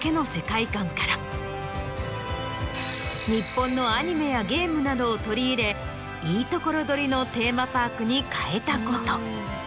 日本のアニメやゲームなどを取り入れいいところどりのテーマパークに変えたこと。